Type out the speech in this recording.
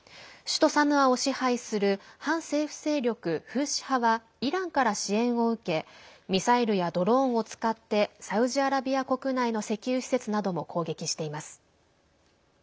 首都サヌアを支配する反政府勢力フーシ派はイランから支援を受けミサイルやドローンを使ってサウジアラビア国内の石油施設なども攻撃しています。